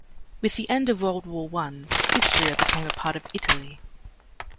With the end of World War One Istria became part of Italy.